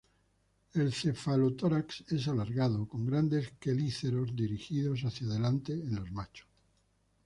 El cefalotórax es alargado, con grandes quelíceros dirigidos hacia delante en los machos.